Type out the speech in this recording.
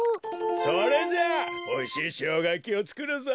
それじゃあおいしいショウガやきをつくるぞ！